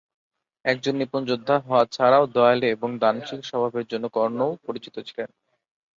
একজন নিপুণ যোদ্ধা হওয়া ছাড়াও দয়ালু এবং দানশীল স্বভাবের জন্যও কর্ণ পরিচিত ছিলেন।